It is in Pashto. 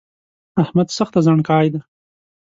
احمد سخته زڼکای ده